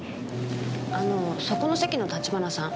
あのそこの席の立花さん